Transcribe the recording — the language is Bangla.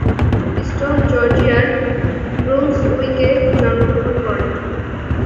ইস্টন জর্জিয়ার ব্রুন্সউইকে জন্মগ্রহণ করেন।